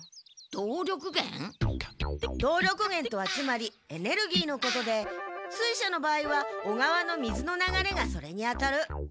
動力源とはつまりエネルギーのことで水車の場合は小川の水の流れがそれにあたる。